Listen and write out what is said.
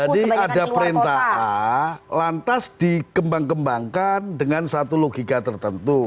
jadi ada perintah lantas dikembang kembangkan dengan satu logika tertentu